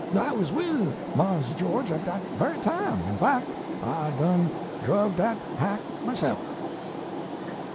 I was with Marse George at dat very time. In fac I done druv dat hack myself"!